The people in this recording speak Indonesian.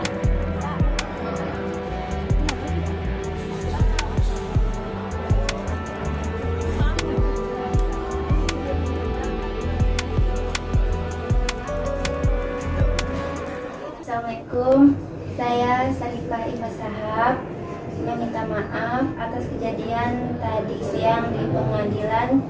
assalamualaikum saya salifah imbas sahab meminta maaf atas kejadian tadi siang di pengadilan